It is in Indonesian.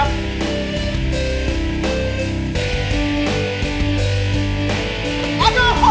liat gue cabut ya